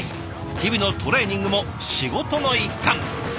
日々のトレーニングも仕事の一環。